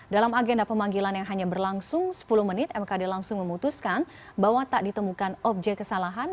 dalam agenda pemanggilan yang hanya berlangsung sepuluh menit mkd langsung memutuskan bahwa tak ditemukan objek kesalahan